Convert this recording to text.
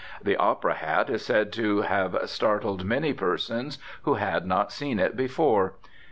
The opera hat is said to have startled many persons who had not seen it before.